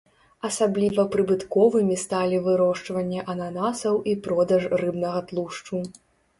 Асабліва прыбытковымі сталі вырошчванне ананасаў і продаж рыбнага тлушчу.